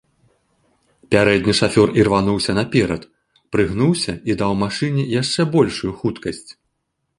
Пярэдні шафёр ірвануўся наперад, прыгнуўся і даў машыне яшчэ большую хуткасць.